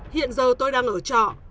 hiện giờ tôi đang ở trọ